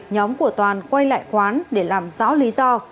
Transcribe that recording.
nhóm của toàn quay lại quán để làm rõ lý do